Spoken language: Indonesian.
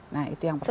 nah itu yang pertama